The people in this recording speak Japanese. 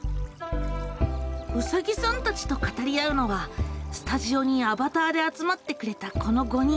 うさぎさんたちと語り合うのはスタジオにアバターで集まってくれたこの５人。